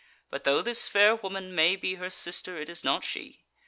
But though this fair woman may be her sister, it is not she.